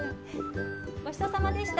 ごちそうさまでした。